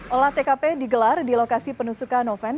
olah tkp digelar di lokasi penusukan noven